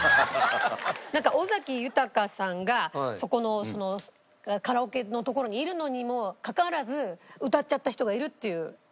なんか尾崎豊さんがそこのカラオケの所にいるのにもかかわらず歌っちゃった人がいるっていう。